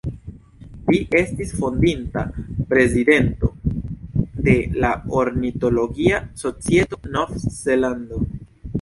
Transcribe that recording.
Li estis fondinta Prezidento de la Ornitologia Societo de Novzelando.